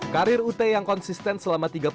karir ut yang konsisten selama berjalan